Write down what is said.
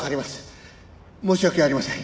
「申し訳ありません。